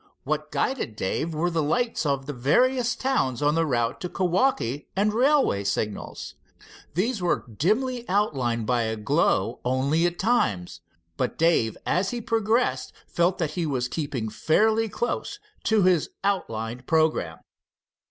What guided Dave were the lights of the various towns on the route to Kewaukee and railway signals. These were dimly outlined by a glow only at times, but Dave as he progressed felt that he was keeping fairly close to his outlined programme.